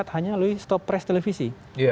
hanya melalui stop press televisi